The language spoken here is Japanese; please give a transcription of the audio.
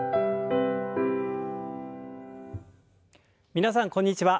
皆さんこんにちは。